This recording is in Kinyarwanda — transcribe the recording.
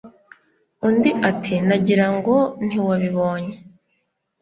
Undi ati Nagirango ntiwabibonye